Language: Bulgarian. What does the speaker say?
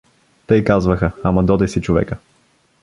— Тъй казваха, ама доде си човека.